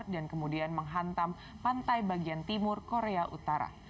dan kemudian menghantam pantai bagian timur korea utara